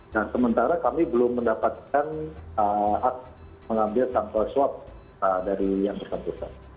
nah sementara kami belum mendapatkan hak mengambil sampel swab dari yang bersangkutan